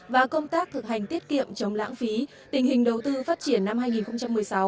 và công tác thực hành tiết kiệm chống lãng phí tình hình đầu tư phát triển năm hai nghìn một mươi sáu